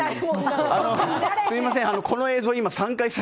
すみません、この映像３回目。